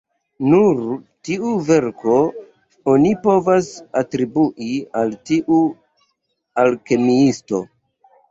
Nur tiu verko oni povas atribiu al tiu alkemiisto.